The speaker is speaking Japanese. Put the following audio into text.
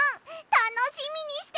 たのしみにしててね！